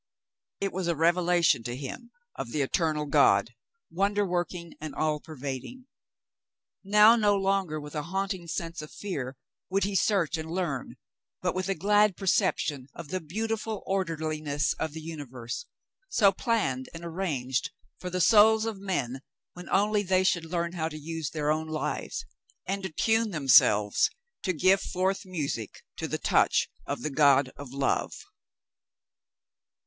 It was a revelation to him of the eternal God, wonder working and all pervading. Now no longer with a haunt ing sense of fear would he search and learn, but with a glad perception of the beautiful orderliness of the uni verse, so planned and arranged for the souls of men when only they should learn how to use their own lives, and 66 The Mountain Girl attune themselves to give forth music to the touch of the God of Love.